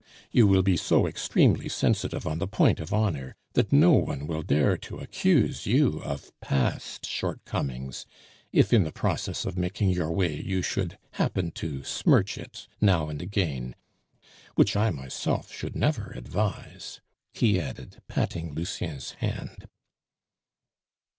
You will be so extremely sensitive on the point of honor that no one will dare to accuse you of past shortcomings if in the process of making your way you should happen to smirch it now and again, which I myself should never advise," he added, patting Lucien's hand.